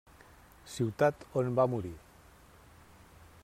Ciutat on va morir.